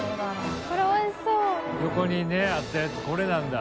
淵灰鼻横にねあったやつこれなんだ。